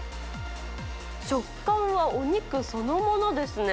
食感はお肉そのものですね。